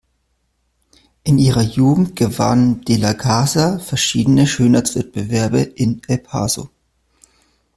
In ihrer Jugend gewann de la Garza verschiedene Schönheitswettbewerbe in El Paso.